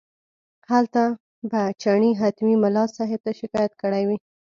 هلته به چڼي حتمي ملا صاحب ته شکایت کړی وي.